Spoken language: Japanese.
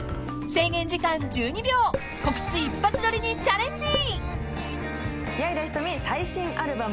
［制限時間１２秒告知一発撮りにチャレンジ！］